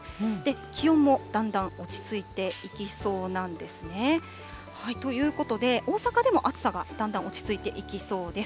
気温もだんだん落ち着いていきそうなんですね。ということで、大阪でも暑さがだんだん落ち着いていきそうです。